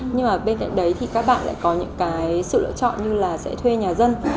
nhưng mà bên cạnh đấy thì các bạn lại có những cái sự lựa chọn như là sẽ thuê nhà dân